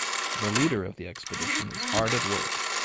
The leader of the expedition is hard at work.